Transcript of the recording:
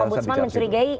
oh om busman mencurigai